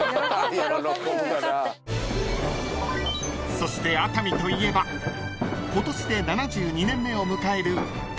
［そして熱海といえば今年で７２年目を迎える海上花火大会］